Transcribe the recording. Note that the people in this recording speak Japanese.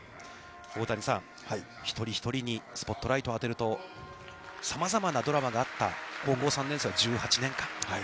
大谷さん、１人１人にスポットライトを当てると、さまざまなドラマがあった、高校３年生の１８年間。